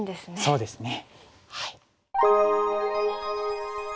そうですね。